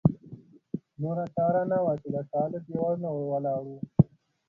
نوره چاره نه وه چې د کاله دېوالونه ولاړ وو.